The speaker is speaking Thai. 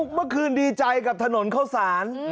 เมื่อคืนดีใจกับถนนเข้าสาร